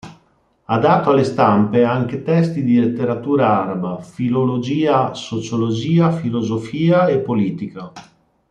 Ha dato alle stampe anche testi di letteratura araba, filologia, sociologia, filosofia e politica.